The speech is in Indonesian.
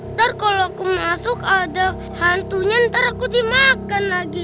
ntar kalau aku masuk ada hantunya ntar aku dimakan lagi